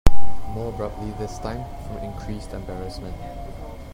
More abruptly this time, from increased embarrassment.